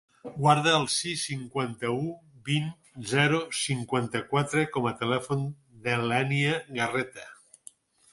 Guarda el sis, cinquanta-u, vint, zero, cinquanta-quatre com a telèfon de l'Ènia Garreta.